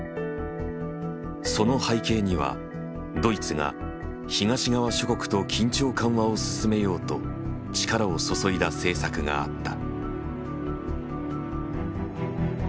その背景にはドイツが東側諸国と緊張緩和を進めようと力を注いだ政策があった。